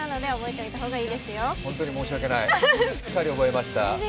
本当に申し訳ないしっかり覚えました。